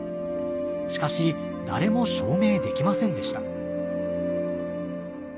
しかし誰も証明できませんでした。